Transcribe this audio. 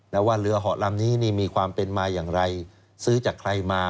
แล้วว่าเรือเหาะลำนี้นี่มีความเป็นมาอย่างไรซื้อจากใครมา